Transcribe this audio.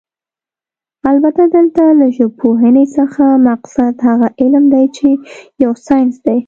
البته دلته له ژبپوهنې څخه مقصد هغه علم دی چې يو ساينس دی